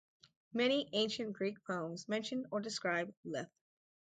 Many ancient Greek poems mention or describe Lethe.